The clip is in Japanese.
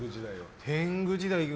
天狗時代。